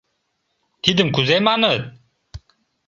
Тидым кузе маныт?